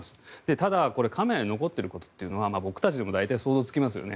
ただ、これ、カメラに残っているということは僕たちでも大体想像つきますよね。